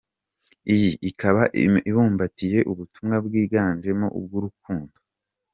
Iyi ikaba ibumbatiye ubutumwa bwiganjemo ubw’urukundo.